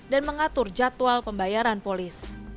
dan mengatur jadwal pembayaran polis